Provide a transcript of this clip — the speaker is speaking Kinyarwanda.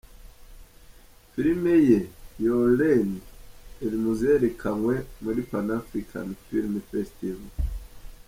Filime ye ‘Your Land’ iri mu zerekanwe muri Pan African Film Festival.